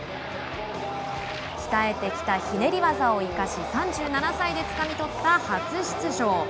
鍛えてきたひねり技を生かし３７歳でつかみ取った初出場。